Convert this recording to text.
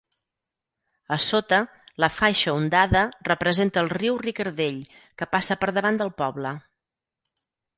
A sota, la faixa ondada representa el riu Ricardell, que passa per davant del poble.